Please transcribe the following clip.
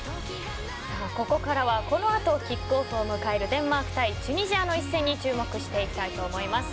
ここからはこの後、キックオフを迎えるデンマーク対チュニジアの一戦に注目していきたいと思います。